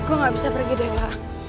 gue gak bisa pergi deh